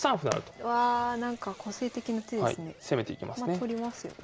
まあ取りますよね。